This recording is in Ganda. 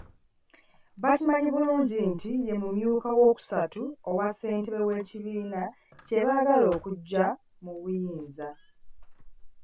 Bakimanyi bulungi nti ye mumyuka owookusatu owa ssentebe w’ekibiina kye baagala okuggya mu buyinza.